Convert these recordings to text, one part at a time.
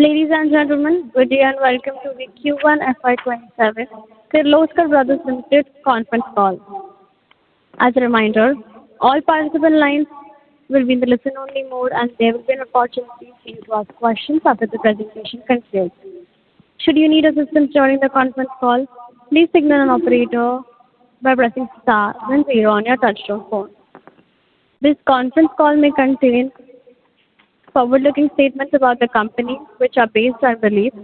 Ladies and gentlemen, good day and welcome to the Q1 FY 2027 Kirloskar Brothers Limited conference call. As a reminder, all participant lines will be in the listen only mode and there will be an opportunity for you to ask questions after the presentation concludes. Should you need assistance during the conference call, please signal an operator by pressing star then zero on your touch-tone phone. This conference call may contain forward-looking statements about the company, which are based on the beliefs,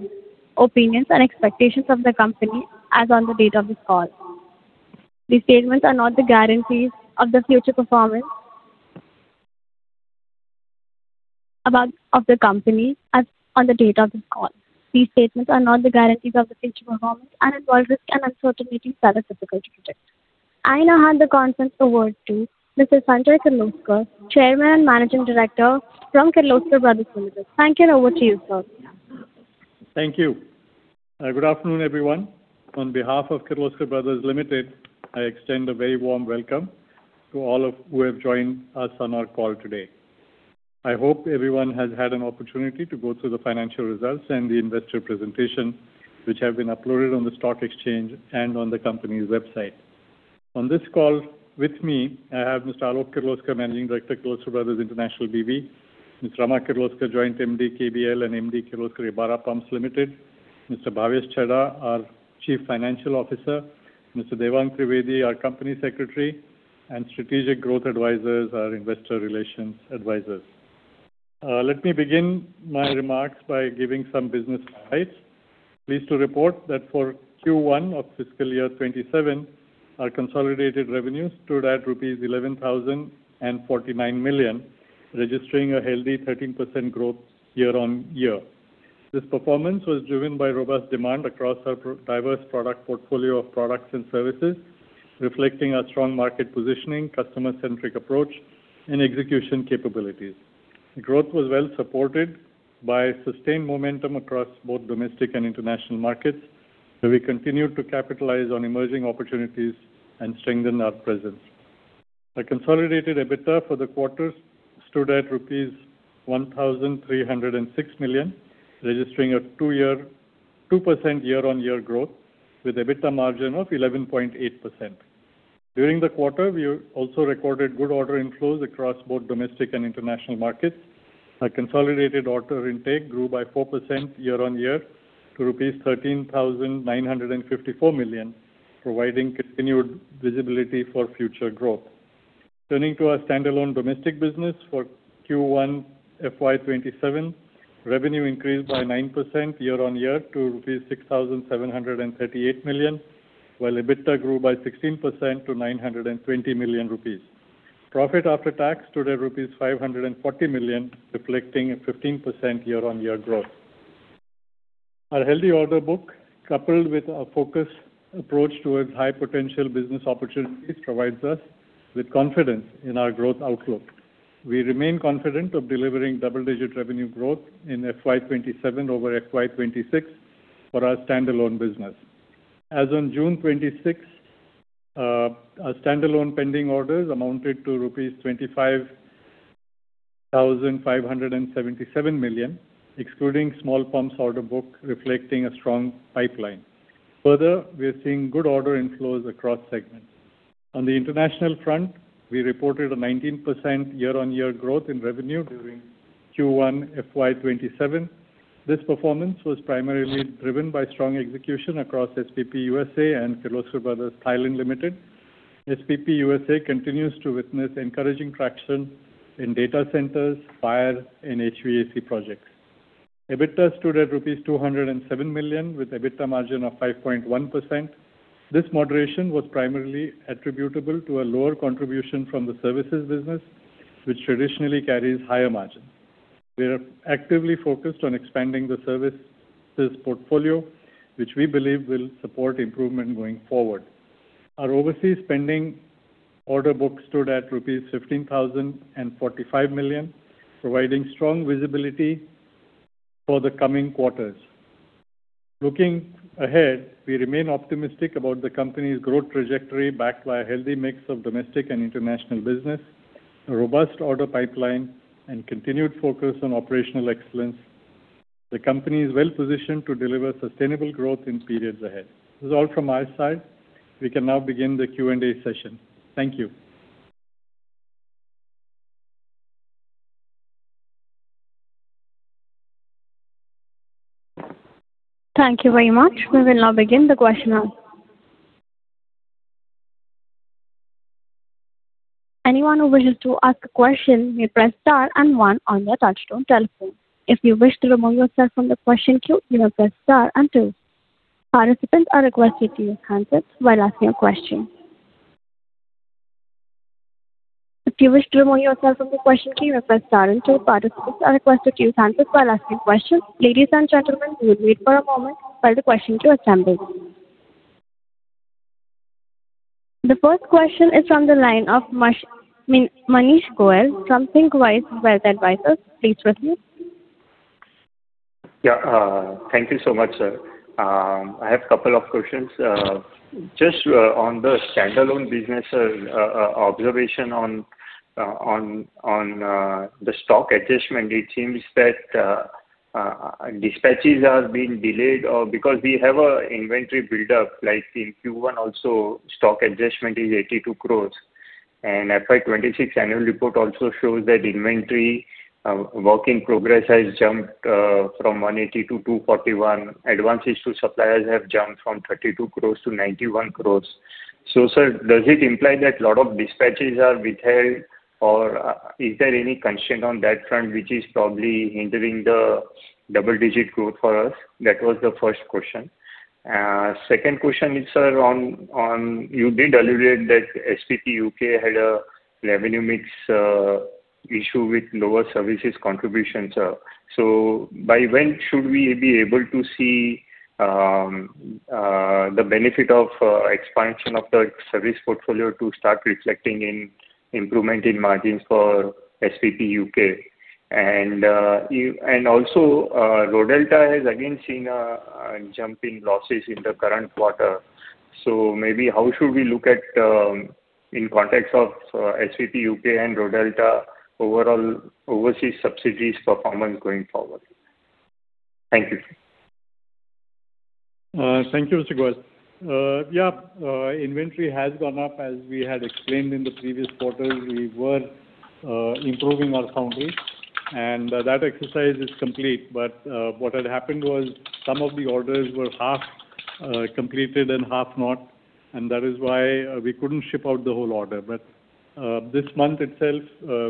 opinions, and expectations of the company as on the date of this call. These statements are not the guarantees of the future performance of the company as on the date of this call. These statements are not the guarantees of the future performance and involve risks and uncertainties that are difficult to predict. I now hand the conference over to Mr. Sanjay Kirloskar, Chairman and Managing Director from Kirloskar Brothers Limited. Thank you, and over to you, sir. Thank you. Good afternoon, everyone. On behalf of Kirloskar Brothers Limited, I extend a very warm welcome to all who have joined us on our call today. I hope everyone has had an opportunity to go through the financial results and the investor presentation, which have been uploaded on the stock exchange and on the company's website. On this call with me, I have Mr. Alok Kirloskar, Managing Director, Kirloskar Brothers International B.V.; Mr. Rama Kirloskar, Joint Managing Director, KBL, and Managing Director, Kirloskar Ebara Pumps Limited; Mr. Bhavesh Chheda, our Chief Financial Officer; Mr. Devang Trivedi, our Company Secretary; and Strategic Growth Advisors, our investor relations advisors. Let me begin my remarks by giving some business highlights. Pleased to report that for Q1 of fiscal year 2027, our consolidated revenues stood at rupees 11,049 million, registering a healthy 13% growth year-on-year. This performance was driven by robust demand across our diverse portfolio of products and services, reflecting our strong market positioning, customer-centric approach, and execution capabilities. Growth was well supported by sustained momentum across both domestic and international markets, where we continued to capitalize on emerging opportunities and strengthen our presence. Our consolidated EBITDA for the quarter stood at rupees 1,306 million, registering a 2% year-on-year growth with EBITDA margin of 11.8%. During the quarter, we also recorded good order inflows across both domestic and international markets. Our consolidated order intake grew by 4% year-on-year to rupees 13,954 million, providing continued visibility for future growth. Turning to our standalone domestic business for Q1 FY 2027, revenue increased by 9% year-on-year to rupees 6,738 million, while EBITDA grew by 16% to 920 million rupees. Profit after tax stood at rupees 540 million, reflecting a 15% year-on-year growth. Our healthy order book, coupled with our focused approach towards high potential business opportunities, provides us with confidence in our growth outlook. We remain confident of delivering double-digit revenue growth in FY 2027 over FY 2026 for our standalone business. As on June 26th, our standalone pending orders amounted to rupees 25,577 million, excluding small pumps order book, reflecting a strong pipeline. Further, we are seeing good order inflows across segments. On the international front, we reported a 19% year-over-year growth in revenue during Q1 FY 2027. This performance was primarily driven by strong execution across SPP USA and Kirloskar Brothers (Thailand) Limited. SPP USA continues to witness encouraging traction in data centers, fire, and HVAC projects. EBITDA stood at rupees 207 million with EBITDA margin of 5.1%. This moderation was primarily attributable to a lower contribution from the services business, which traditionally carries higher margins. We are actively focused on expanding the services portfolio, which we believe will support improvement going forward. Our overseas pending order book stood at rupees 15,045 million, providing strong visibility for the coming quarters. Looking ahead, we remain optimistic about the company's growth trajectory backed by a healthy mix of domestic and international business, a robust order pipeline, and continued focus on operational excellence. The company is well positioned to deliver sustainable growth in periods ahead. This is all from my side. We can now begin the Q&A session. Thank you. Thank you very much. We will now begin the question round. Anyone who wishes to ask a question may press star and one on their touchtone telephone. If you wish to remove yourself from the question queue, you may press star and two. Participants are requested to use handsets while asking a question. If you wish to remove yourself from the question queue, you may press star and two. Participants are requested to use handsets while asking questions. Ladies and gentlemen, we will wait for a moment while the question queue assembles. The first question is from the line of Manish Goyal from Thinqwise Wealth Advisors. Please proceed. Yeah, thank you so much, sir. I have a couple of questions. Just on the standalone business observation on the stock adjustment, it seems that dispatches are being delayed, or because we have an inventory buildup, like in Q1 also, stock adjustment is 82 crore. FY 2026 annual report also shows that inventory work in progress has jumped from 180-241. Advances to suppliers have jumped from 32 crore-91 crore. Sir, does it imply that a lot of dispatches are withheld, or is there any constraint on that front which is probably hindering the double-digit growth for us? That was the first question. Second question is, sir, you did allude that SPP U.K. had a revenue mix issue with lower services contributions. By when should we be able to see the benefit of expansion of the service portfolio to start reflecting in improvement in margins for SPP U.K.? Rodelta has again seen a jump in losses in the current quarter. How should we look at, in context of SPP U.K. and Rodelta, overall overseas subsidies performance going forward? Thank you. Thank you, Mr. Goyal. Inventory has gone up. As we had explained in the previous quarter, we were improving our foundry, that exercise is complete. What had happened was some of the orders were half completed and half not, that is why we couldn't ship out the whole order. This month itself,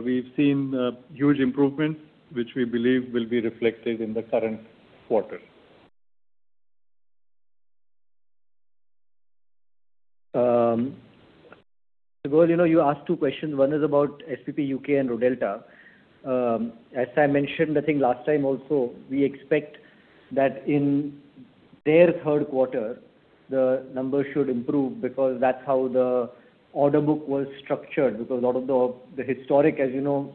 we've seen huge improvement, which we believe will be reflected in the current quarter. Mr. Goyal, you asked two questions. One is about SPP U.K. and Rodelta. As I mentioned, I think last time also, we expect that in their third quarter, the numbers should improve because that's how the order book was structured, because a lot of the historic, as you know,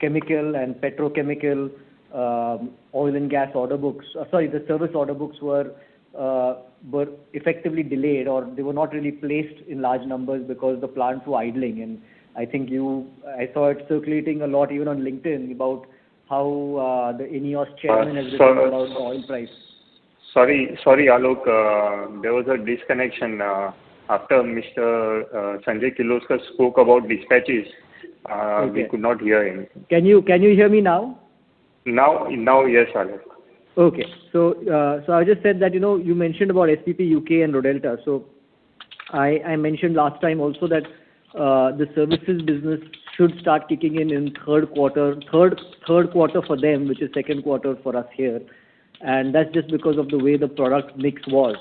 chemical and petrochemical oil and gas order books. Sorry, the service order books were effectively delayed, or they were not really placed in large numbers because the plants were idling. I think I saw it circulating a lot, even on LinkedIn, about how the INEOS chairman has been talking about oil price. Sorry, Alok. There was a disconnection after Mr. Sanjay Kirloskar spoke about dispatches. Okay. We could not hear him. Can you hear me now? Now, yes, Alok. Okay. I just said that you mentioned about SPP U.K. and Rodelta. I mentioned last time also that the services business should start kicking in 3rd quarter for them, which is second quarter for us here, and that's just because of the way the product mix was.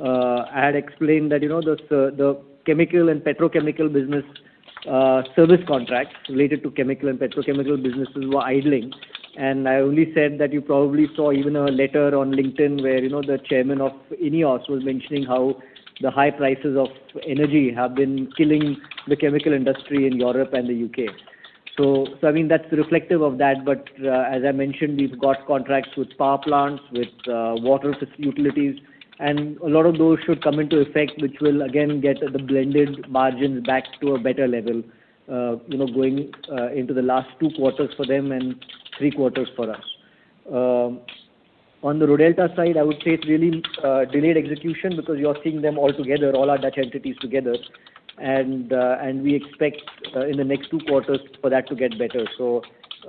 I had explained that the chemical and petrochemical business service contracts related to chemical and petrochemical businesses were idling. I only said that you probably saw even a letter on LinkedIn where the chairman of INEOS was mentioning how the high prices of energy have been killing the chemical industry in Europe and the U.K. I mean, that's reflective of that. As I mentioned, we've got contracts with power plants, with water utilities, and a lot of those should come into effect, which will again get the blended margins back to a better level going into the last two quarters for them and three quarters for us. On the Rodelta side, I would say it's really delayed execution because you are seeing them all together, all our Dutch entities together. We expect in the next two quarters for that to get better.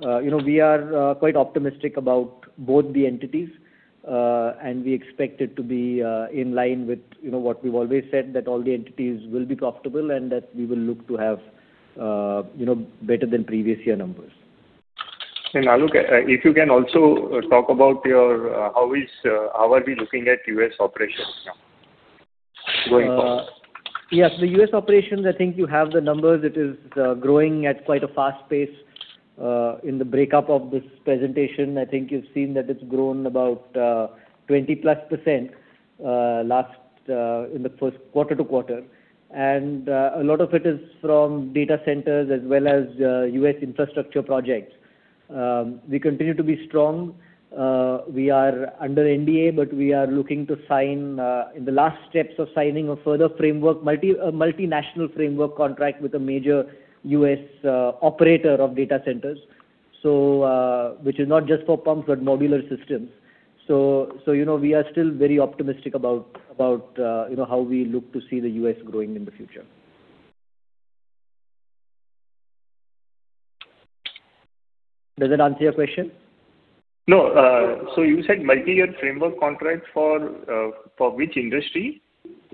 We are quite optimistic about both the entities, and we expect it to be in line with what we've always said that all the entities will be profitable and that we will look to have better than previous year numbers. Alok, if you can also talk about how are we looking at U.S. operations now going forward? Yes, the U.S. operations, I think you have the numbers. It is growing at quite a fast pace. In the breakup of this presentation, I think you've seen that it's grown about 20%+ quarter-to-quarter, and a lot of it is from data centers as well as U.S. infrastructure projects. We continue to be strong. We are under NDA, but we are looking to sign in the last steps of signing a further multinational framework contract with a major U.S. operator of data centers, which is not just for pumps but modular systems. We are still very optimistic about how we look to see the U.S. growing in the future. Does that answer your question? No. You said multi-year framework contract for which industry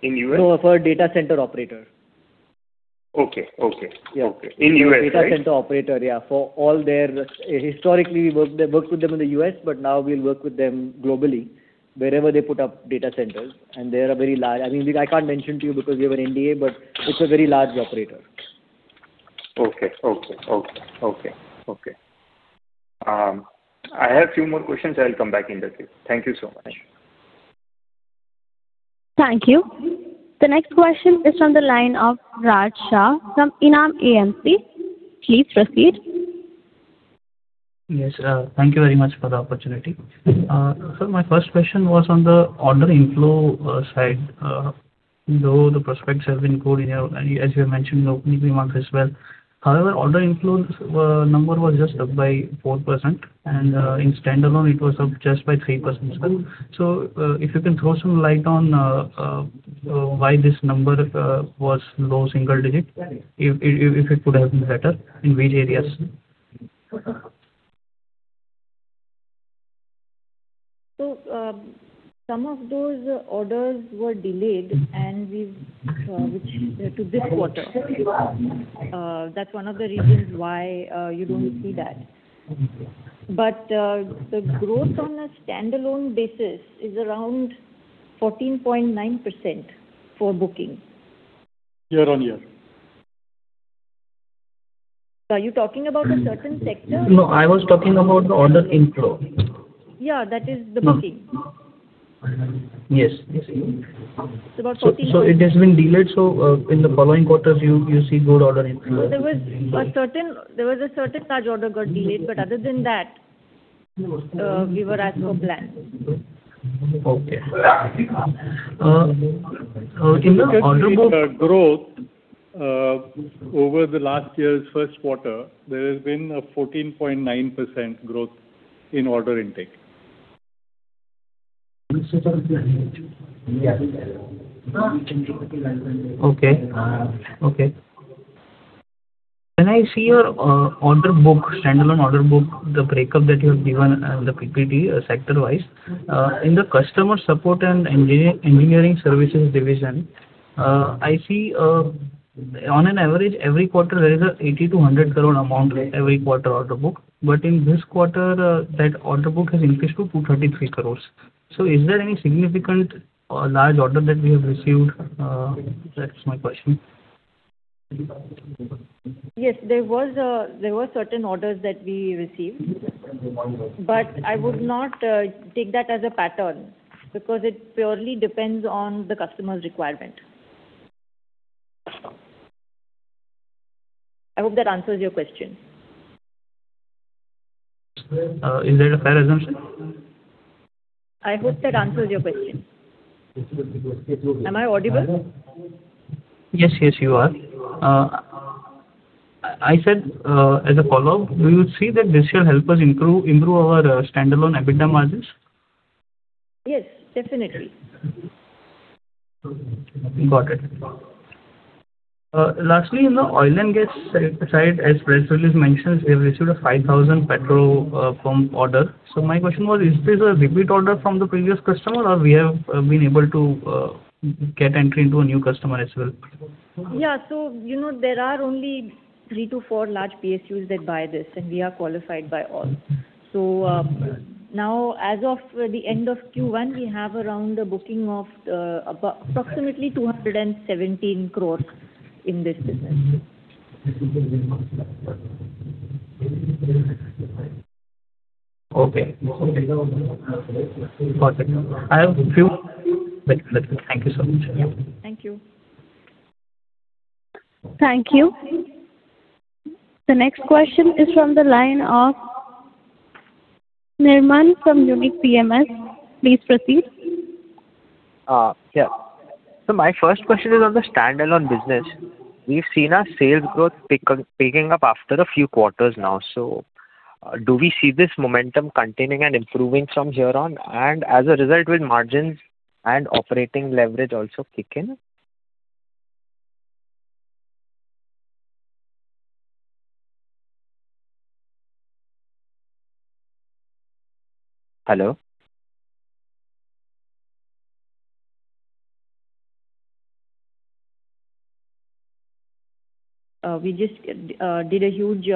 in U.S.? No, for data center operator. Okay. Yeah. In U.S., right? Data center operator, yeah. Historically, we worked with them in the U.S., but now we'll work with them globally wherever they put up data centers. They're a very large- I mean, I can't mention to you because we have an NDA, but it's a very large operator. Okay. I have few more questions. I'll come back in the queue. Thank you so much. Thank you. The next question is from the line of Raj Shah from Enam AMC. Please proceed. Yes. Thank you very much for the opportunity. Sir, my first question was on the order inflow side. Though the prospects have been good, as you have mentioned in the opening remarks as well. Order inflow number was just up by 4% and in standalone it was up just by 3% as well. If you can throw some light on why this number was low single digit. If it could have been better, in which areas? Some of those orders were delayed to this quarter. That's one of the reasons why you don't see that. Okay. The growth on a standalone basis is around 14.9% for booking. Year-on-year. Are you talking about a certain sector? No, I was talking about the order inflow. Yeah, that is the booking. Yes. It's about 14. It has been delayed, so in the following quarters you see good order inflow. There was a certain large order got delayed, but other than that, we were as per plan. Okay. In the order book- If you look at the growth, over the last year's first quarter, there has been a 14.9% growth in order intake. Okay. When I see your standalone order book, the breakup that you have given on the PPT sector wise. In the customer support and engineering services division, I see on an average every quarter there is an 80 crore-100 crore amount every quarter order book. In this quarter, that order book has increased to 233 crore. Is there any significant large order that we have received? That is my question. Yes, there were certain orders that we received, I would not take that as a pattern because it purely depends on the customer's requirement. I hope that answers your question. Is that a fair assumption? I hope that answers your question. Am I audible? Yes, you are. I said, as a follow-up, do you see that this year help us improve our standalone EBITDA margins? Yes, definitely. Got it. Lastly, in the oil and gas side, as press release mentions, we have received a 5,000 petrol pump order. My question was, is this a repeat order from the previous customer or we have been able to get entry into a new customer as well? There are only three to four large PSUs that buy this, we are qualified by all. Now as of the end of Q1, we have around a booking of approximately 217 crore in this business. Got it. Thank you so much. Thank you. Thank you. The next question is from the line of Nirmam from Unique PMS. Please proceed. My first question is on the standalone business. We've seen our sales growth picking up after a few quarters now. Do we see this momentum continuing and improving from here on? As a result, will margins and operating leverage also kick in? Hello? We just did a huge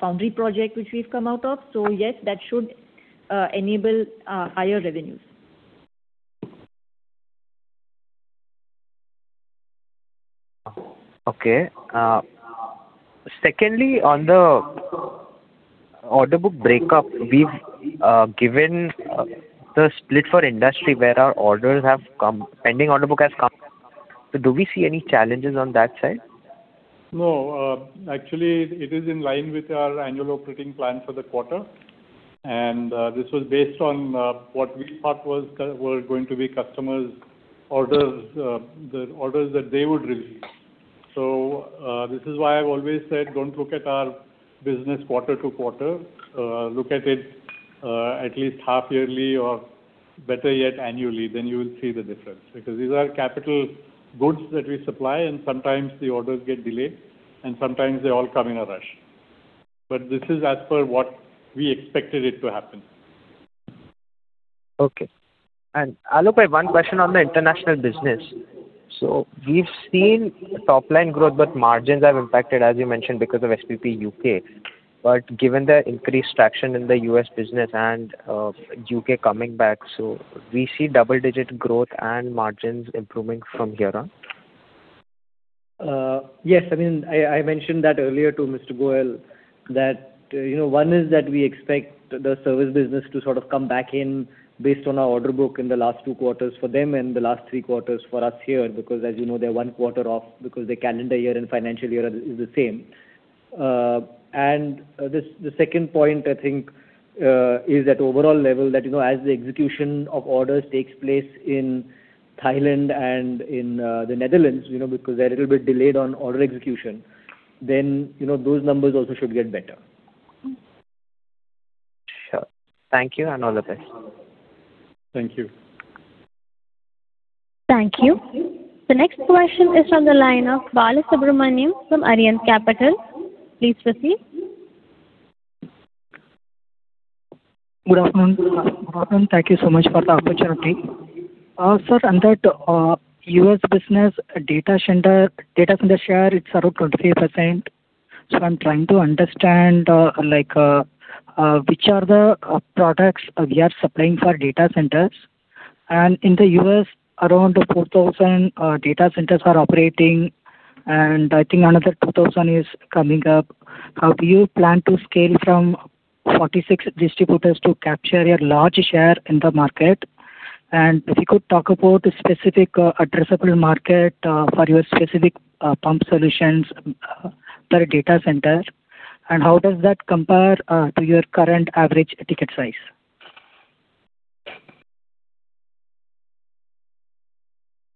foundry project which we've come out of. Yes, that should enable higher revenues. Okay. Secondly, on the order book breakup, we've given the split for industry where our pending order book has come. Do we see any challenges on that side? No. Actually it is in line with our annual operating plan for the quarter. This was based on what we thought were going to be customers' orders, the orders that they would release. This is why I've always said, don't look at our business quarter-to-quarter. Look at it at least half yearly or better yet annually, then you will see the difference. Because these are capital goods that we supply and sometimes the orders get delayed and sometimes they all come in a rush. This is as per what we expected it to happen. Okay. Alok bhai, one question on the international business. We've seen top line growth, but margins have impacted, as you mentioned because of SPP U.K.. Given the increased traction in the U.S. business and U.K. coming back, we see double-digit growth and margins improving from here on? Yes, I mentioned that earlier to Mr. Goyal that one is that we expect the service business to sort of come back in based on our order book in the last two quarters for them and the last three quarters for us here. As you know, they're one quarter off because their calendar year and financial year is the same. The second point, I think, is at overall level that as the execution of orders takes place in Thailand and in the Netherlands, they're a little bit delayed on order execution, those numbers also should get better. Sure. Thank you, all the best. Thank you. Thank you. The next question is on the line of Bala Subramaniam from Arihant Capital. Please proceed. Good afternoon. Thank you so much for the opportunity. Sir, on that U.S. business data center share, it is around 23%. I am trying to understand which are the products we are supplying for data centers. In the U.S., around 4,000 data centers are operating, and I think another 2,000 is coming up. How do you plan to scale from 46 distributors to capture a large share in the market? If you could talk about the specific addressable market for your specific pump solutions for a data center, and how does that compare to your current average ticket size?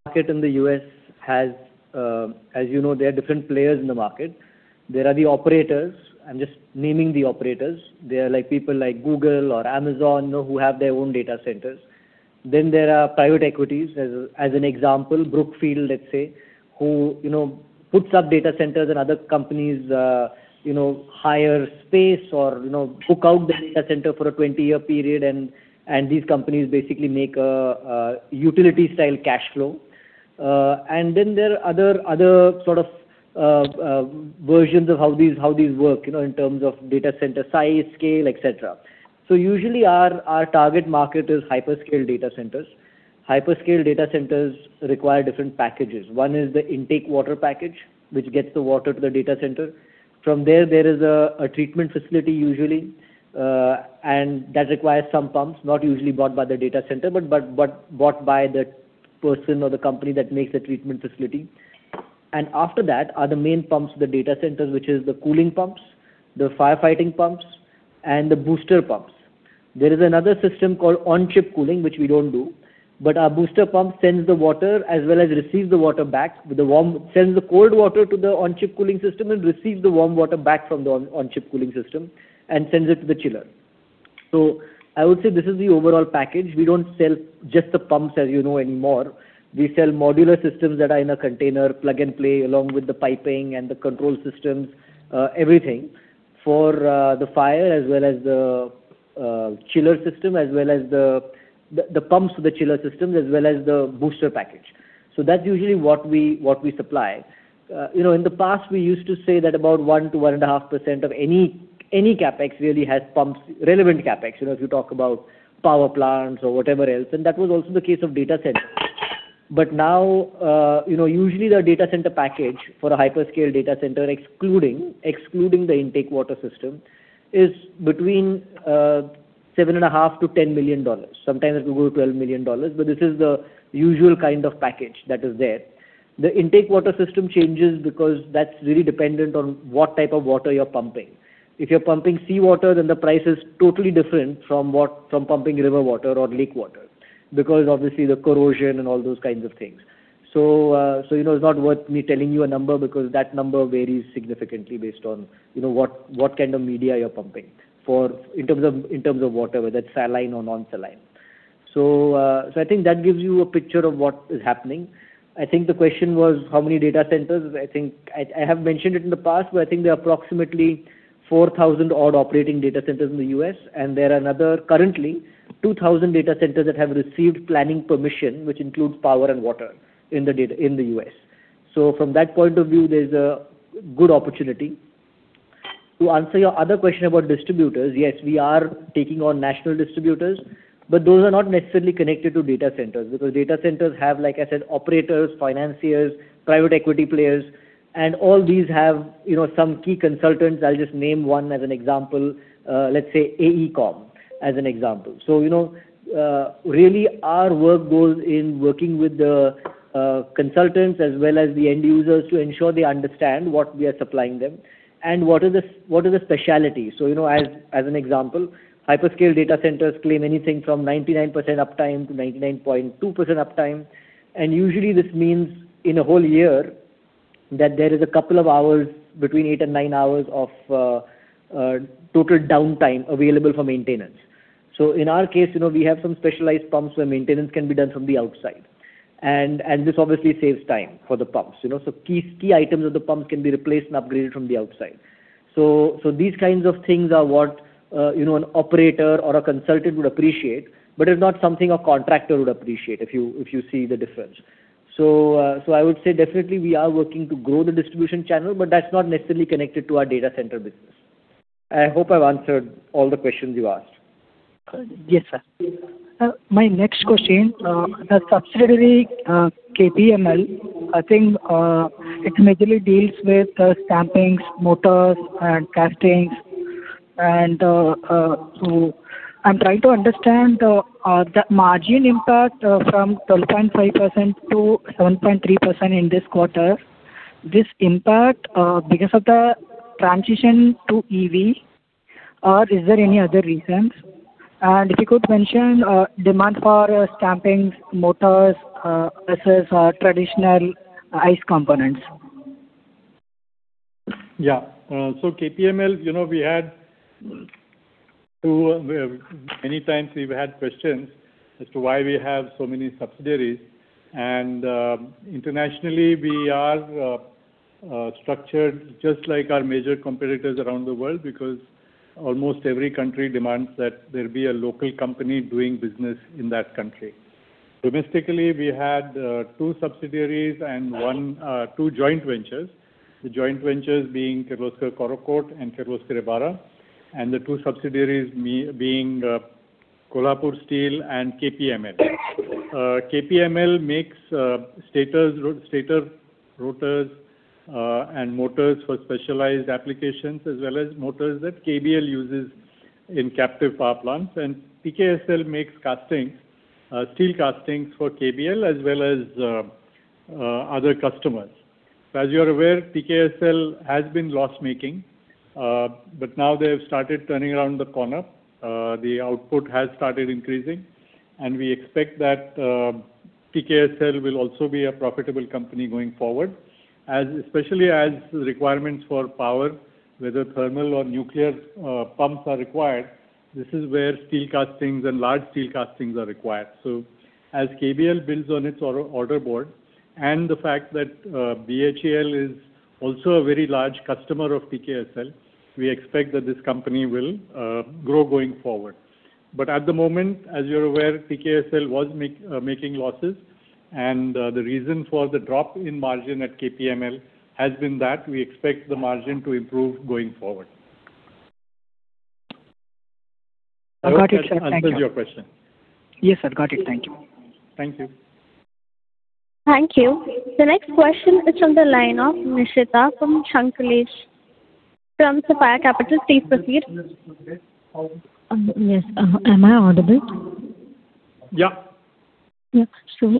Market in the U.S. has, as you know, there are different players in the market. There are the operators, I am just naming the operators. They are people like Google or Amazon, who have their own data centers. There are private equities, as an example, Brookfield, let us say, who puts up data centers and other companies hire space or book out their data center for a 20-year period, and these companies basically make a utility-style cash flow. There are other sort of versions of how these work, in terms of data center size, scale, et cetera. Usually our target market is hyperscale data centers. Hyperscale data centers require different packages. One is the intake water package, which gets the water to the data center. From there is a treatment facility usually, that requires some pumps, not usually bought by the data center, but bought by the person or the company that makes the treatment facility. After that are the main pumps of the data centers, which is the cooling pumps, the firefighting pumps, and the booster pumps. There is another system called on-chip cooling, which we don't do, but our booster pump sends the water as well as receives the water back. Sends the cold water to the on-chip cooling system and receives the warm water back from the on-chip cooling system and sends it to the chiller. I would say this is the overall package. We don't sell just the pumps, as you know, anymore. We sell modular systems that are in a container, plug-and-play, along with the piping and the control systems, everything for the fire as well as the chiller system, as well as the pumps for the chiller systems, as well as the booster package. That's usually what we supply. In the past, we used to say that about 1%-1.5% of any CapEx really has pumps, relevant CapEx, if you talk about power plants or whatever else, and that was also the case of data centers. Now, usually the data center package for a hyperscale data center, excluding the intake water system, is between $7.5 million-$10 million. Sometimes it will go to $12 million, but this is the usual kind of package that is there. The intake water system changes because that's really dependent on what type of water you're pumping. If you're pumping seawater, then the price is totally different from pumping river water or lake water, because obviously the corrosion and all those kinds of things. It's not worth me telling you a number because that number varies significantly based on what kind of media you're pumping in terms of water, whether it's saline or non-saline. I think that gives you a picture of what is happening. I think the question was how many data centers. I have mentioned it in the past, but I think there are approximately 4,000 odd operating data centers in the U.S., and there are another currently 2,000 data centers that have received planning permission, which includes power and water in the U.S. From that point of view, there's a good opportunity. To answer your other question about distributors, yes, we are taking on national distributors, but those are not necessarily connected to data centers because data centers have, like I said, operators, financiers, private equity players, and all these have some key consultants. I'll just name one as an example. Let's say AECOM as an example. Really our work goes in working with the consultants as well as the end users to ensure they understand what we are supplying them and what is the specialty. As an example, hyperscale data centers claim anything from 99%-99.2% uptime. Usually this means in a whole year that there is a couple of hours, between eight and nine hours, of total downtime available for maintenance. In our case, we have some specialized pumps where maintenance can be done from the outside. This obviously saves time for the pumps. Key items of the pump can be replaced and upgraded from the outside. These kinds of things are what an operator or a consultant would appreciate, but is not something a contractor would appreciate, if you see the difference. I would say definitely we are working to grow the distribution channel, but that's not necessarily connected to our data center business. I hope I have answered all the questions you asked. Yes, sir. My next question, the subsidiary, KPML, I think it majorly deals with stampings, motors, and castings. I am trying to understand the margin impact from 12.5%-7.3% in this quarter. Is this impact because of the transition to EV, or are there any other reasons? If you could mention demand for stampings, motors versus traditional ICE components. KPML, many times we have had questions as to why we have so many subsidiaries. Internationally, we are structured just like our major competitors around the world, because almost every country demands that there be a local company doing business in that country. Domestically, we had two subsidiaries and two joint ventures. The joint ventures being Kirloskar Corrocoat and Kirloskar Ebara, and the two subsidiaries being Kolhapur Steel and KPML. KPML makes stator, rotors, and motors for specialized applications as well as motors that KBL uses in captive power plants, and TKSL makes steel castings for KBL as well as other customers. As you are aware, TKSL has been loss-making, but now they have started turning around the corner. The output has started increasing, we expect that TKSL will also be a profitable company going forward, especially as requirements for power, whether thermal or nuclear pumps are required, this is where steel castings and large steel castings are required. As KBL builds on its order board and the fact that BHEL is also a very large customer of TKSL, we expect that this company will grow going forward. At the moment, as you are aware, TKSL was making losses, and the reason for the drop in margin at KPML has been that. We expect the margin to improve going forward. I got it, sir. Thank you. I hope that answers your question. Yes, I got it. Thank you. Thank you. Thank you. The next question is on the line of Nishita from Shanklesha from Sapphire Capital. Please proceed. Yes. Am I audible? Yeah. Yeah.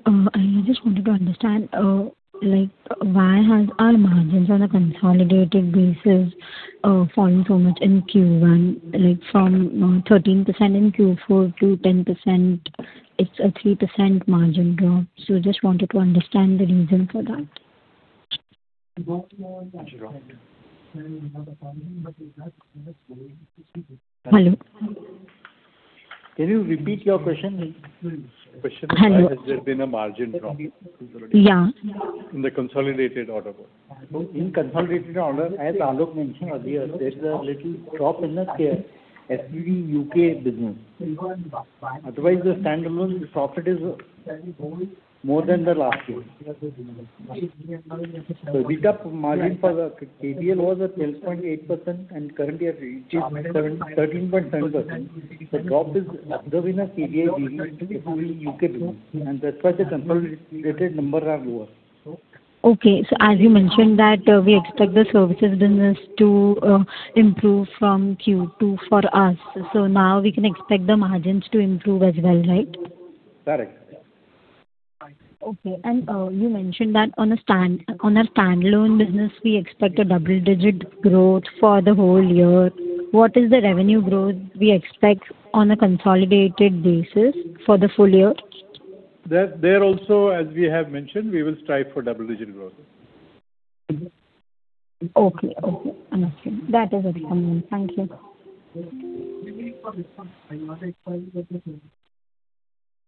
I just wanted to understand, why have our margins on a consolidated basis fallen so much in Q1, from 13% in Q4 to 10%? It's a 3% margin drop. Just wanted to understand the reason for that. Can you repeat your question? Hello. The question is, why has there been a margin drop- Yeah. -in the consolidated order book? In consolidated order, as Alok mentioned earlier, there's a little drop in the SPP U.K. business. Otherwise, the standalone profit is more than the last year. The margin for the KBL was at 12.8% and currently at 13.7%. The drop is observed in a KBL business in the U.K. business, and that's why the consolidated numbers are lower. Okay. As you mentioned that we expect the services business to improve from Q2 for us. Now we can expect the margins to improve as well, right? Correct. Okay. You mentioned that on a standalone business, we expect a double-digit growth for the whole year. What is the revenue growth we expect on a consolidated basis for the full year? There also, as we have mentioned, we will strive for double-digit growth. Okay. Understood. That is what we want. Thank you.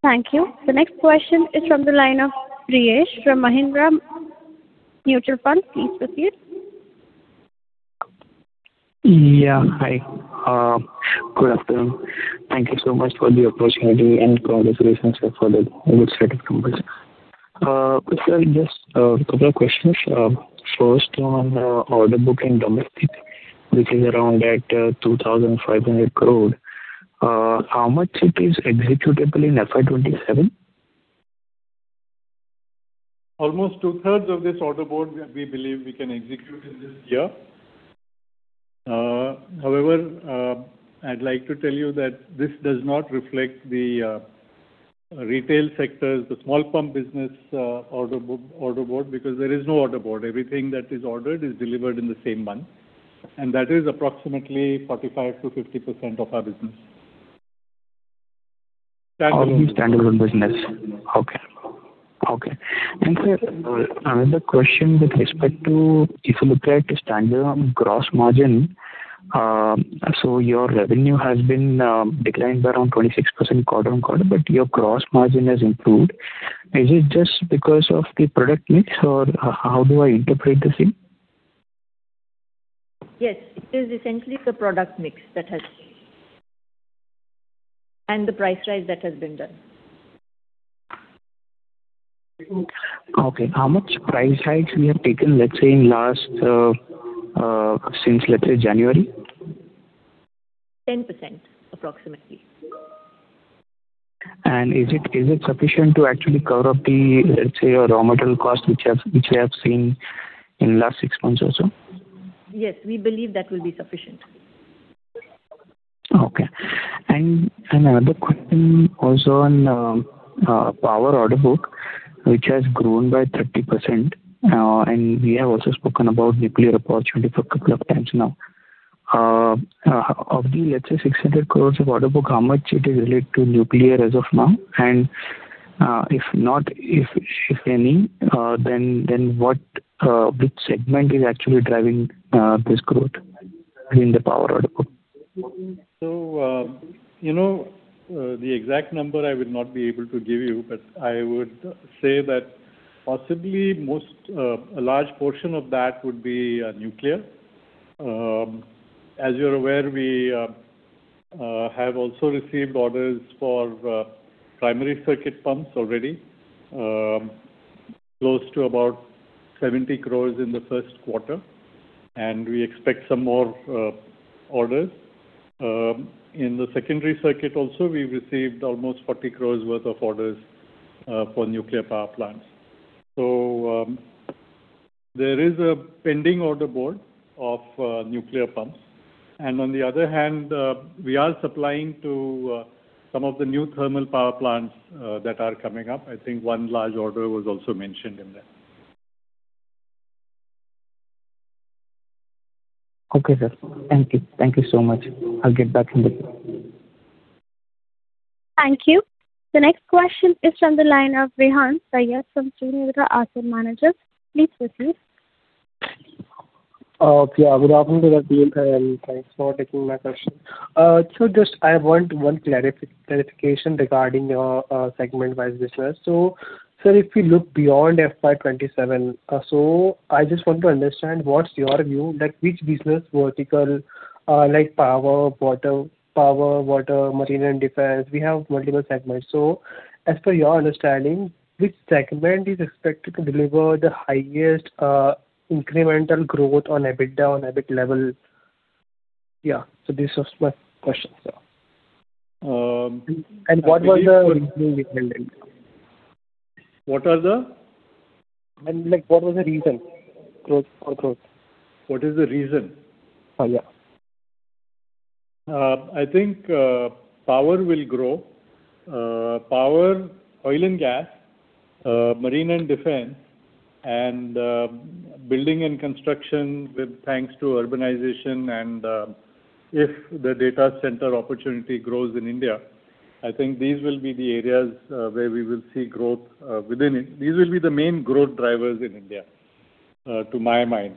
Thank you. The next question is from the line of Priyesh from Mahindra Mutual Fund. Please proceed. Hi. Good afternoon. Thank you so much for the opportunity. Congratulations for the good set of numbers. Just a couple of questions. First, on order book and domestic, which is around at 2,500 crore. How much it is executable in FY 2027? Almost two-thirds of this order book we believe we can execute in this year. However, I'd like to tell you that this does not reflect the retail sectors, the small pump business order book, because there is no order book. Everything that is ordered is delivered in the same month. That is approximately 45%-50% of our business. Only standalone business. Okay. Sir, another question with respect to if you look at standalone gross margin. Your revenue has declined by around 26% quarter-on-quarter. Your gross margin has improved. Is it just because of the product mix, or how do I interpret the same? Yes, it is essentially the product mix that has changed. The price rise that has been done. Okay. How much price hikes you have taken, let's say since January? 10%, approximately. Is it sufficient to actually cover up the, let's say, your raw material cost, which I have seen in the last six months or so? Yes, we believe that will be sufficient. Okay. Another question also on power order book, which has grown by 30%, we have also spoken about nuclear opportunity for a couple of times now. Of the, let's say, 600 crores of order book, how much it is related to nuclear as of now? If any, then which segment is actually driving this growth in the power order book? The exact number I would not be able to give you, but I would say that possibly a large portion of that would be nuclear. As you're aware, we have also received orders for primary circuit pumps already, close to about 70 crores in the first quarter, we expect some more orders. In the secondary circuit also, we've received almost 40 crores worth of orders for nuclear power plants. There is a pending order board of nuclear pumps. On the other hand, we are supplying to some of the new thermal power plants that are coming up. I think one large order was also mentioned in there. Okay, sir. Thank you. Thank you so much. I'll get back in touch. Thank you. The next question is from the line of Rehan Syed from Trinetra Asset Managers. Please proceed. Okay. Good afternoon to the team, and thanks for taking my question. I just want one clarification regarding your segment-wise business. Sir, if you look beyond FY 2027, I just want to understand what's your view, which business vertical, like power, water, marine, and defense. We have multiple segments. As per your understanding, which segment is expected to deliver the highest incremental growth on EBITDA, on EBIT level? Yeah. This was my question, sir. Um- What was the reason behind it? What are the? What was the reason for growth? What is the reason? Yeah. I think power will grow. Power, oil and gas, marine and defense, and building and construction, with thanks to urbanization and if the data center opportunity grows in India, I think these will be the areas where we will see growth. These will be the main growth drivers in India, to my mind.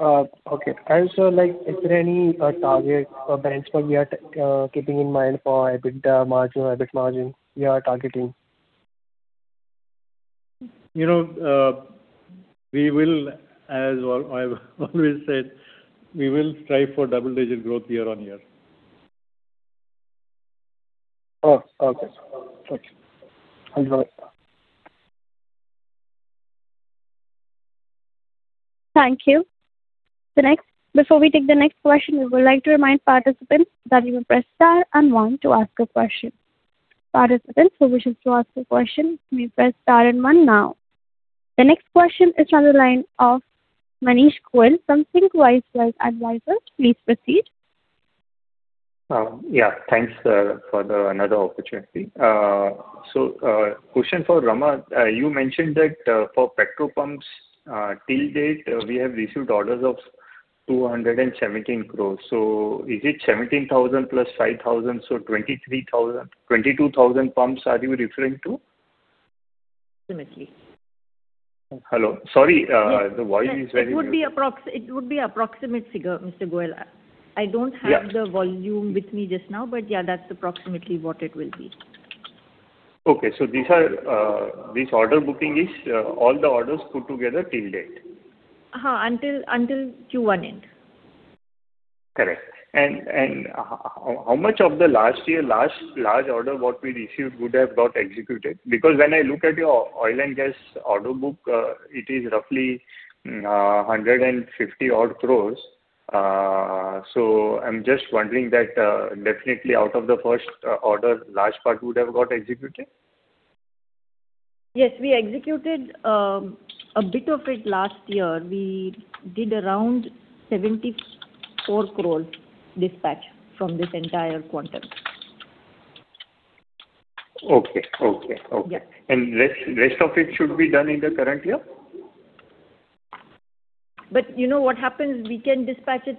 Okay. Sir, is there any target or benchmark we are keeping in mind for EBITDA margin or EBIT margin we are targeting? As I've always said, we will strive for double-digit growth year-on-year. Oh, okay. Thank you. Thank you. Before we take the next question, we would like to remind participants that you may press star and one to ask a question. Participants who wishes to ask a question, you may press star and one now. The next question is on the line of Manish Goyal from Thinqwise Wealth Advisors. Please proceed. Yeah. Thanks for another opportunity. Question for Rama. You mentioned that for petro pumps, till date, we have received orders of 217 crores. Is it 17,000 + 5,000, so 22,000 pumps are you referring to? Approximately. Hello? Sorry, the volume is very- It would be approximate figure, Mr. Goyal. I don't have. Yeah the volume with me just now. Yeah, that's approximately what it will be. Okay. This order booking is all the orders put together till date. Yes, until Q1 end. How much of the last year large order what we received would have got executed? When I look at your oil and gas order book, it is roughly 150 odd crores. I'm just wondering that definitely out of the first order, large part would have got executed? Yes, we executed a bit of it last year. We did around 74 crore dispatch from this entire quantum. Okay. Yeah. Rest of it should be done in the current year? You know what happens, we can dispatch it.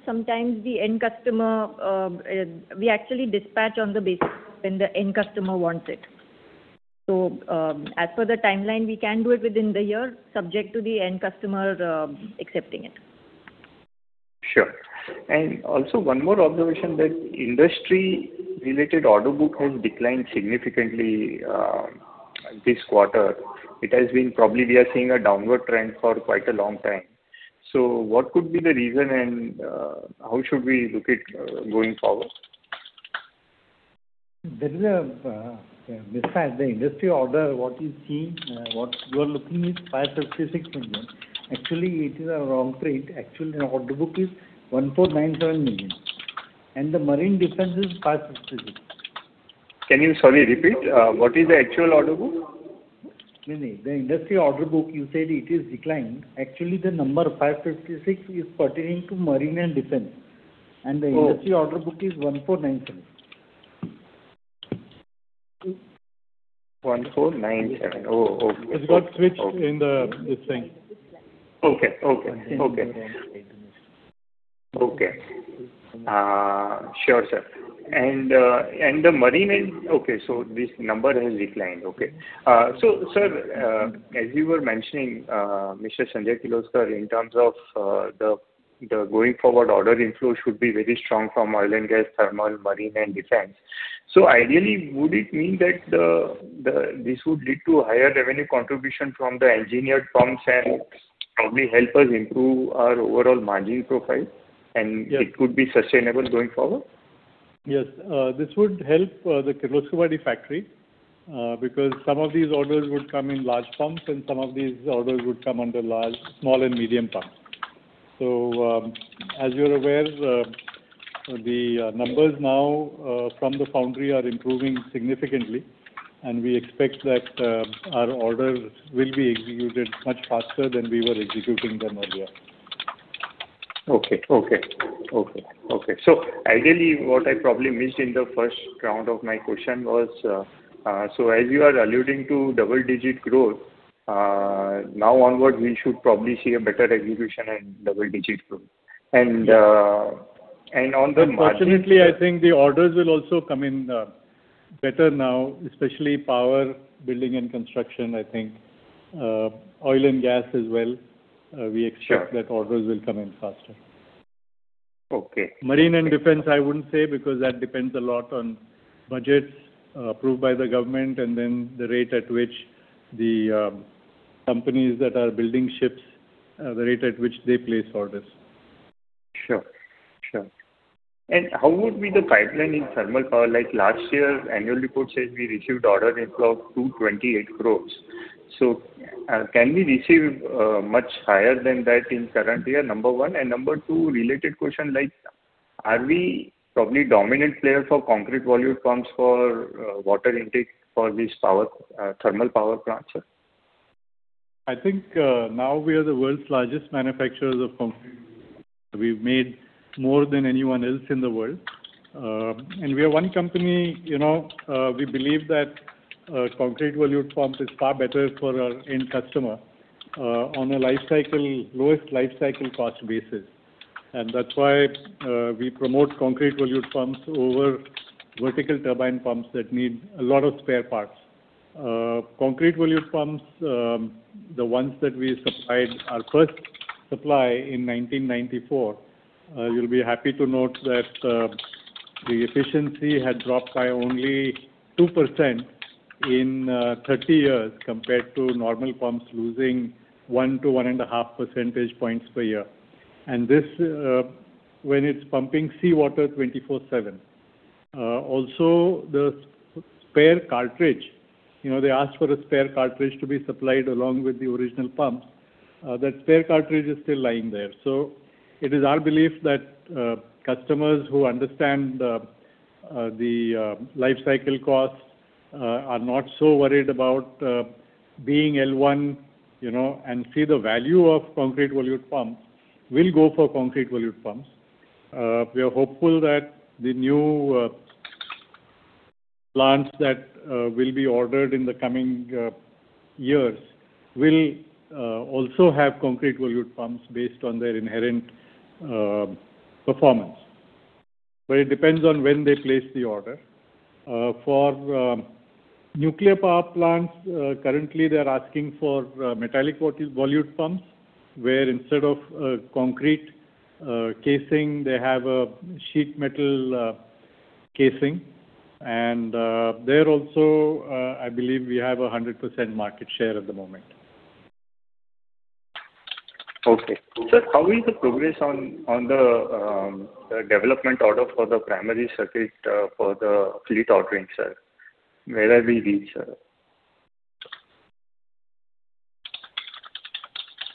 We actually dispatch on the basis when the end customer wants it. As per the timeline, we can do it within the year, subject to the end customer accepting it. Sure. Also, one more observation that industry-related order book has declined significantly this quarter. Probably we are seeing a downward trend for quite a long time. What could be the reason and how should we look it going forward? Besides the industry order, what you're looking is 556 million. Actually, it is a wrong rate. Actually, the order book is 1,497 million. The marine defense is 556 million. Can you, sorry, repeat? What is the actual order book? No. The industry order book, you said it is declined. Actually, the number 556 is pertaining to marine and defense. The industry order book is 1,497. 1,497. Oh, okay. It got switched in the thing. Okay. Sure, sir. The marine is- Okay, so this number has declined. Okay. Sir, as you were mentioning, Mr. Sanjay Kirloskar, in terms of the going forward order inflow should be very strong from oil and gas, thermal, marine, and defense. Ideally, would it mean that this would lead to higher revenue contribution from the engineered pumps and probably help us improve our overall margin profile, and it could be sustainable going forward? Yes. This would help the Kirloskarvadi factory, because some of these orders would come in large pumps, and some of these orders would come under small and medium pumps. As you're aware, the numbers now from the foundry are improving significantly, and we expect that our orders will be executed much faster than we were executing them earlier. Ideally, what I probably missed in the first round of my question was, as you are alluding to double-digit growth, now onward, we should probably see a better execution and double-digit growth. On the margin- Fortunately, I think the orders will also come in better now, especially power, building and construction, I think. Oil and gas as well, we expect that orders will come in faster. Okay. Marine and defense, I wouldn't say, because that depends a lot on budgets approved by the government and then the rate at which the companies that are building ships, the rate at which they place orders. Sure. How would be the pipeline in thermal power? Like last year's annual report says we received order inflow of 228 crores. Can we receive much higher than that in current year, number one? Number two, related question, are we probably dominant player for concrete volute pumps for water intake for these thermal power plants, sir? I think now we are the world's largest manufacturers of concrete volute pumps. We've made more than anyone else in the world. We are one company, we believe that concrete volute pumps is far better for our end customer on a lowest lifecycle cost basis. That's why we promote concrete volute pumps over vertical turbine pumps that need a lot of spare parts. Concrete volute pumps, the ones that we supplied our first supply in 1994, you'll be happy to note that the efficiency had dropped by only 2% in 30 years compared to normal pumps losing one to one and a half percentage points per year. This, when it's pumping seawater 24/7. Also, the spare cartridge. They asked for a spare cartridge to be supplied along with the original pump. That spare cartridge is still lying there. It is our belief that customers who understand the lifecycle costs are not so worried about being L1, and see the value of concrete volute pumps will go for concrete volute pumps. We are hopeful that the new plants that will be ordered in the coming years will also have concrete volute pumps based on their inherent performance. It depends on when they place the order. For nuclear power plants, currently they're asking for metallic volute pumps, where instead of a concrete casing, they have a sheet metal casing. There also, I believe we have 100% market share at the moment. Okay. Sir, how is the progress on the development order for the primary circuit for the fleet ordering, sir? Where are we reached, sir?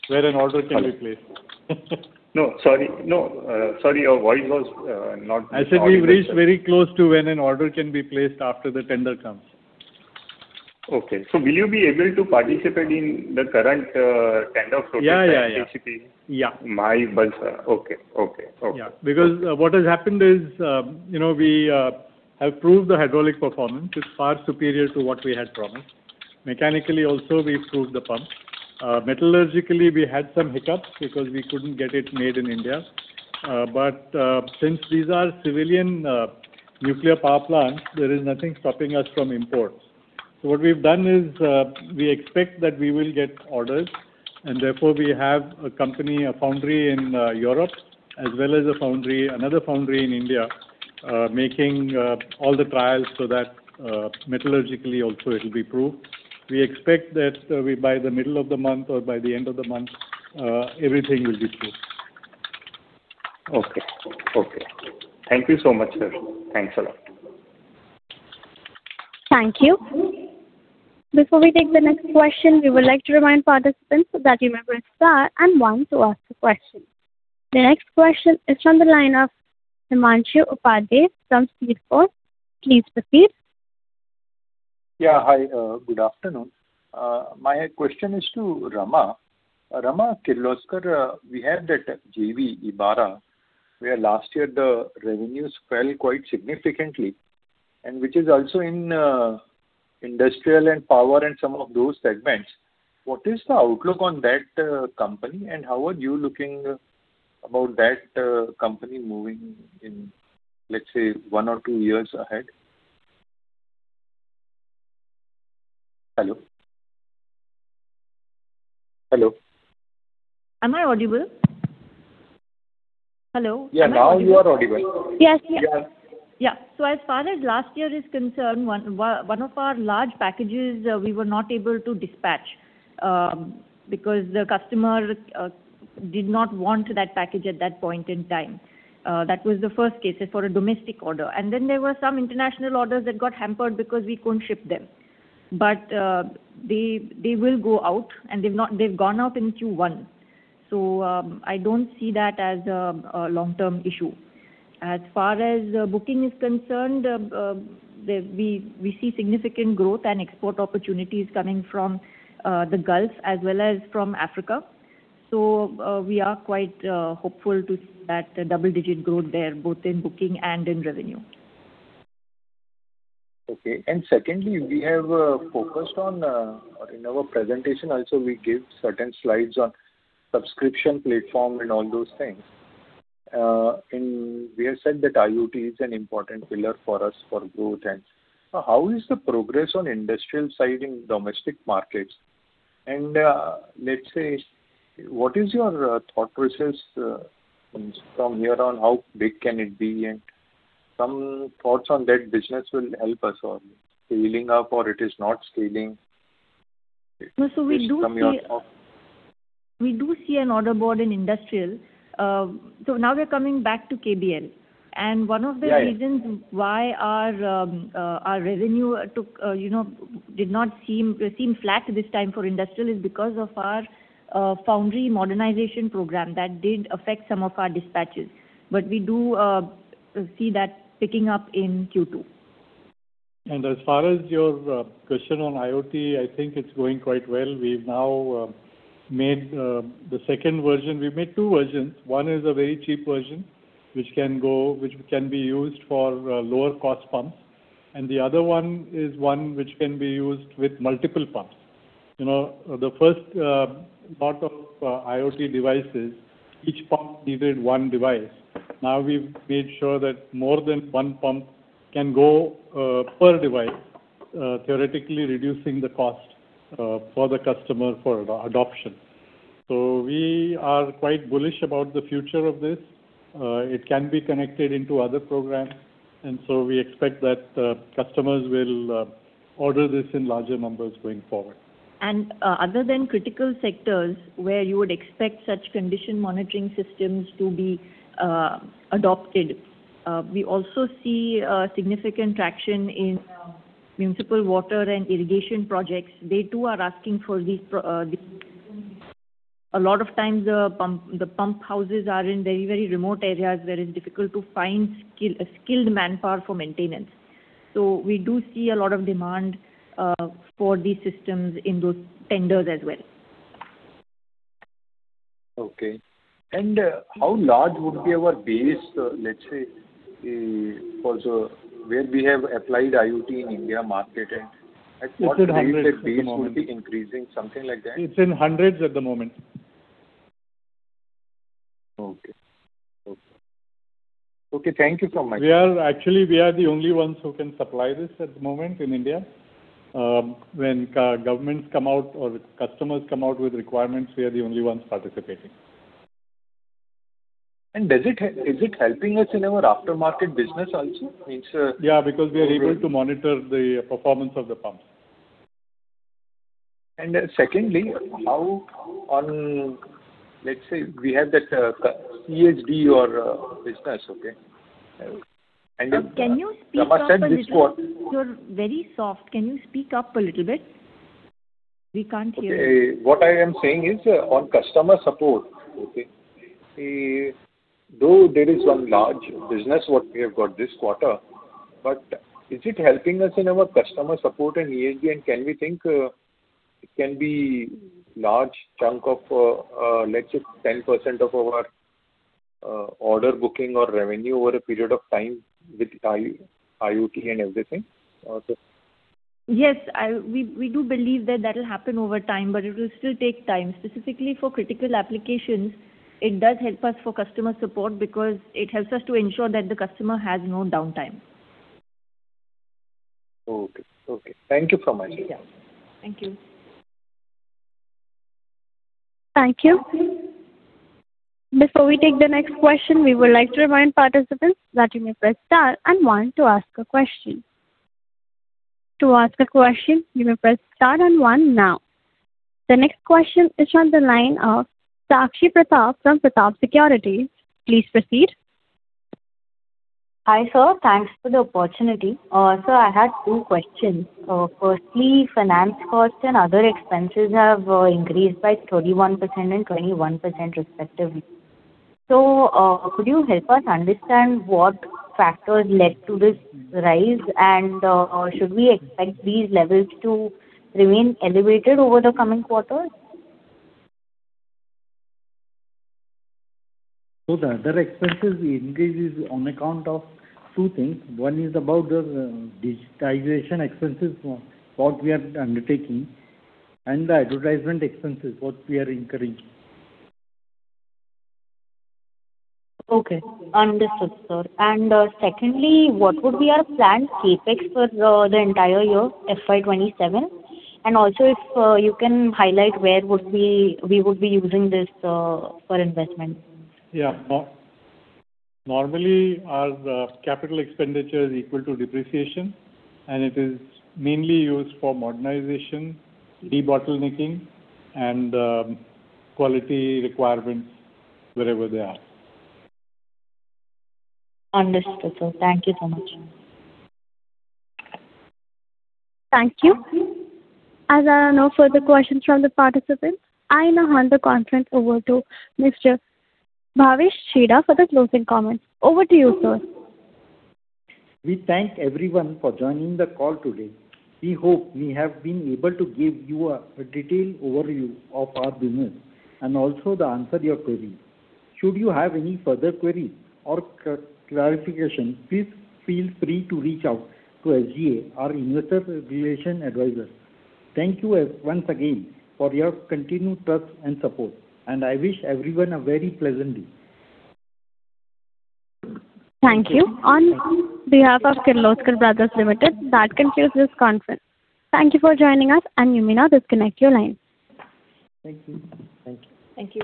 Where an order can be placed? No, sorry. Your voice was not. I said we've reached very close to when an order can be placed after the tender comes. Okay. Will you be able to participate in the current tender? Yeah. Okay. Yeah. What has happened is, we have proved the hydraulic performance. It's far superior to what we had promised. Mechanically also, we've proved the pump. Metallurgically, we had some hiccups because we couldn't get it made in India. Since these are civilian nuclear power plants, there is nothing stopping us from imports. What we've done is, we expect that we will get orders, and therefore we have a company, a foundry in Europe, as well as another foundry in India, making all the trials so that metallurgically also it'll be proved. We expect that by the middle of the month or by the end of the month, everything will be proved. Okay. Thank you so much, sir. Thanks a lot. Thank you. Before we take the next question, we would like to remind participants that you may press star and one to ask a question. The next question is from the line of Himanshu Upadhyay from Speedcore. Please proceed. Yeah. Hi, good afternoon. My question is to Rama. Rama Kirloskar, we have that JV, Ebara, where last year the revenues fell quite significantly, and which is also in industrial and power and some of those segments. What is the outlook on that company, and how are you looking about that company moving in, let's say, one or two years ahead? Hello? Am I audible? Hello. Yeah, now you are audible. Yes. As far as last year is concerned, one of our large packages, we were not able to dispatch because the customer did not want that package at that point in time. That was the first case, it's for a domestic order. Then there were some international orders that got hampered because we couldn't ship them. They will go out, and they've gone out in Q1. I don't see that as a long-term issue. As far as booking is concerned, we see significant growth and export opportunities coming from the Gulf as well as from Africa. We are quite hopeful to see that double-digit growth there, both in booking and in revenue. Okay. Secondly, we have focused on, in our presentation also, we give certain slides on subscription platform and all those things. We have said that IoT is an important pillar for us for growth. How is the progress on industrial side in domestic markets? Let's say, what is your thought process from here on how big can it be? Some thoughts on that business will help us on scaling up or it is not scaling. We do see an order board in industrial. Now we are coming back to KBL. One of the reasons why our revenue seemed flat this time for industrial is because of our foundry modernization program. That did affect some of our dispatches. We do see that picking up in Q2. As far as your question on IoT, I think it's going quite well. We've now made the second version. We made 2 versions. One is a very cheap version, which can be used for lower cost pumps. The other one is one which can be used with multiple pumps. The first part of IoT devices, each pump needed one device. Now we've made sure that more than one pump can go per device, theoretically reducing the cost for the customer for adoption. We are quite bullish about the future of this. It can be connected into other programs, we expect that customers will order this in larger numbers going forward. Other than critical sectors where you would expect such condition monitoring systems to be adopted, we also see significant traction in municipal water and irrigation projects. They, too, are asking for these. A lot of times, the pump houses are in very remote areas where it's difficult to find skilled manpower for maintenance. We do see a lot of demand for these systems in those tenders as well. Okay. How large would be our base, let's say, also where we have applied IoT in India market- It's in hundreds at the moment. -at what rate that base will be increasing, something like that? It's in hundreds at the moment. Okay. Thank you so much. Actually, we are the only ones who can supply this at the moment in India. When governments come out or customers come out with requirements, we are the only ones participating. Is it helping us in our aftermarket business also? Yeah, because we are able to monitor the performance of the pumps. Secondly, let's say we have that EHD or business, okay? Sir, can you speak up a little? You're very soft. Can you speak up a little bit? We can't hear you. Okay. What I am saying is, on customer support, okay, though there is one large business what we have got this quarter, is it helping us in our customer support and EHD, can we think it can be large chunk of, let's say, 10% of our order booking or revenue over a period of time with IoT and everything also? Yes. We do believe that that'll happen over time. It will still take time. Specifically for critical applications, it does help us for customer support because it helps us to ensure that the customer has no downtime. Okay. Thank you so much. Yeah. Thank you. Thank you. Before we take the next question, we would like to remind participants that you may press star and one to ask a question. To ask a question, you may press star and one now. The next question is on the line of Sakshi Pratap from Pratap Securities. Please proceed. Hi, sir. Thanks for the opportunity. Sir, I had two questions. Firstly, finance costs and other expenses have increased by 31% and 21% respectively. Could you help us understand what factors led to this rise, and should we expect these levels to remain elevated over the coming quarters? The other expenses increase is on account of two things. One is about the digitization expenses, what we are undertaking, and the advertisement expenses, what we are incurring. Okay. Understood, sir. Secondly, what would be our planned CapEx for the entire year, FY 2027? Also if you can highlight where we would be using this for investment. Yeah. Normally, our capital expenditure is equal to depreciation, and it is mainly used for modernization, de-bottlenecking, and quality requirements wherever they are. Understood, sir. Thank you so much. Thank you. As there are no further questions from the participants, I now hand the conference over to Mr. Bhavesh Chheda for the closing comments. Over to you, sir. We thank everyone for joining the call today. We hope we have been able to give you a detailed overview of our business and also answer your queries. Should you have any further queries or clarification, please feel free to reach out to SGA, our investor relations advisor. Thank you once again for your continued trust and support, and I wish everyone a very pleasant day. Thank you. On behalf of Kirloskar Brothers Limited, that concludes this conference. Thank you for joining us, and you may now disconnect your lines. Thank you. Thank you.